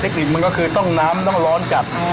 คนิคมันก็คือต้องน้ำต้องร้อนจัด